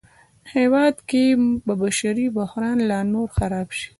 هېواد کې به بشري بحران لا نور خراب شي